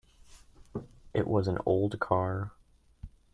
It was an old car.